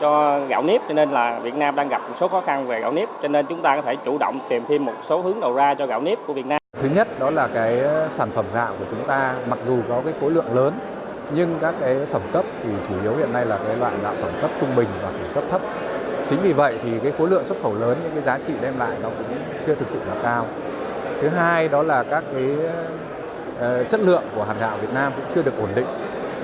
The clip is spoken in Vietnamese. trong khi đó các chất lượng của hạt gạo việt nam cũng chưa được ổn định